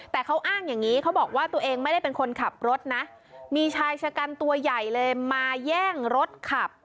แต่เขาอ้างอย่างนี้เขาบอกว่าตัวเองไม่ได้เป็นคนขับรถนะมีชายชะกันตัวใหญ่เลยมาแย่งรถขับ